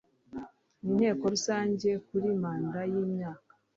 n Inteko Rusange kuri manda y imyaka